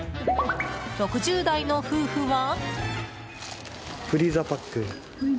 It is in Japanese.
６０代の夫婦は。